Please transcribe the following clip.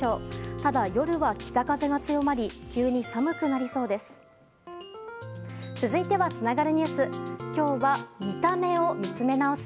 ただ、夜は北風が強まり急に寒くなりそうです。